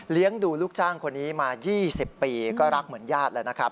ดูลูกจ้างคนนี้มา๒๐ปีก็รักเหมือนญาติแล้วนะครับ